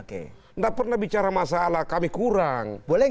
tidak pernah bicara masalah kami kurang